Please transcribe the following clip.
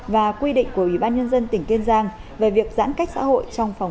và đồng thời